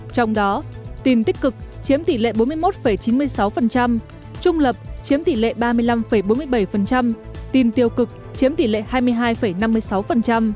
trong đó tin tích cực chiếm tỷ lệ bốn mươi một chín mươi sáu trung lập chiếm tỷ lệ ba mươi năm bốn mươi bảy tin tiêu cực chiếm tỷ lệ hai mươi hai năm mươi sáu